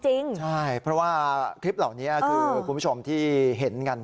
จริงใช่เพราะว่าคลิปเหล่านี้คือคุณผู้ชมที่เห็นกัน